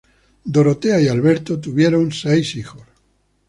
Dorotea y Alberto, tuvieron seis hijos;